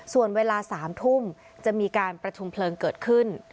ส่วนเวลา๓ทุ่มจะมีการประชุมเพลิงเกิดขึ้น